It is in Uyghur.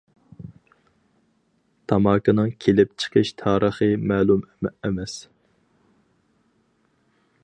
تاماكىنىڭ كېلىپ چىقىش تارىخى مەلۇم ئەمەس.